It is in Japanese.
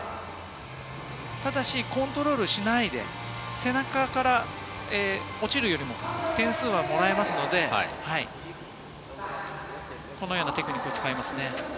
ただしコントロールしないで、背中から落ちるよりも点数はもらえますので、このようなテクニックを使いますね。